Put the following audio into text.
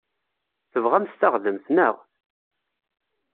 Tebɣamt taɣdemt, naɣ?